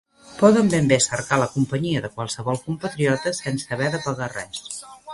Poden ben bé cercar la companyia de qualsevol compatriota sense haver de pagar res.